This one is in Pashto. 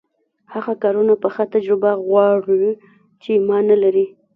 هغه کارونه پخه تجربه غواړي چې ما نلري.